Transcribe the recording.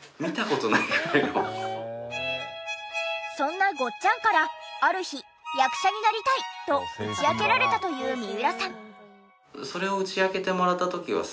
そんなごっちゃんからある日役者になりたいと打ち明けられたという三浦さん。